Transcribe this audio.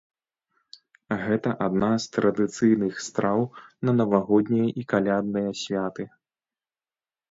Гэта адна з традыцыйных страў на навагоднія і калядныя святы.